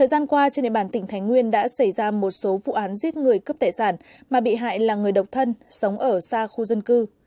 thời gian qua trên địa bàn tỉnh thái nguyên đã xảy ra một số vụ án giết người cướp tài sản mà bị hại là người độc thân sống ở xa khu dân cư